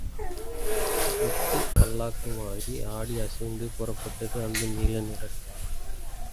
முத்துப் பல்லக்கு மாதிரி ஆடி அசைந்து புறப்பட்டது அந்த நீலநிற கார்.